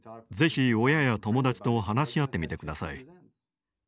ぜひ親や友だちと話し合ってみて下さい。